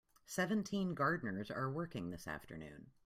Seventeen gardeners are working this afternoon.